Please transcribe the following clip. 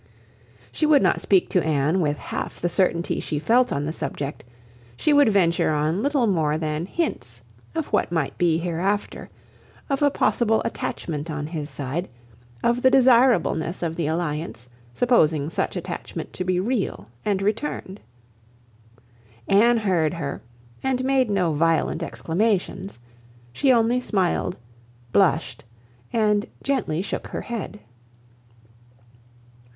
She would not speak to Anne with half the certainty she felt on the subject, she would venture on little more than hints of what might be hereafter, of a possible attachment on his side, of the desirableness of the alliance, supposing such attachment to be real and returned. Anne heard her, and made no violent exclamations; she only smiled, blushed, and gently shook her head.